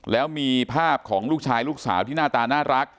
แล้วผ้าของลูกลูกสาวที่หน้าตาน่ารัก